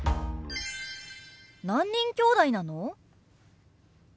何人きょうだいなの？